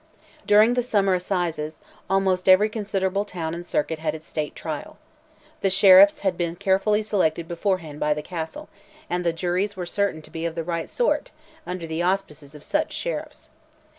During the summer assize, almost every considerable town and circuit had its state trial. The sheriffs had been carefully selected beforehand by the Castle, and the juries were certain to be of "the right sort," under the auspices of such sheriffs.